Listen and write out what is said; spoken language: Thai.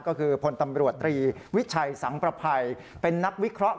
ก็คือพลตำรวจตรีวิชัยสังประภัยเป็นนักวิเคราะห